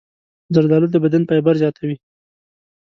زردالو د بدن فایبر زیاتوي.